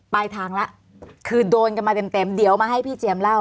ปลายทางแล้วคือโดนกันมาเต็มเต็มเดี๋ยวมาให้พี่เจียมเล่า